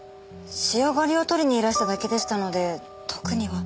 仕上がりを取りにいらしただけでしたので特には。